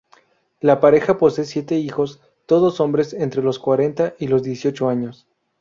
La pareja posee siete hijos, todos hombres, entre los cuarenta y los dieciocho años.